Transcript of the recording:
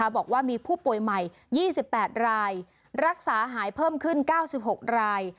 บอกว่ามีผู้ป่วยใหม่๒๘รายรักษาหายเพิ่มขึ้น๙๖ราย